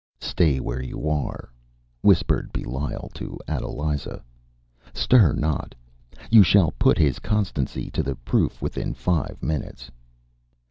“Stay where you are,” whispered Belial to Adeliza; “stir not: you shall put his constancy to the proof within five minutes.